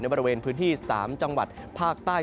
บริเวณพื้นที่๓จังหวัดภาคใต้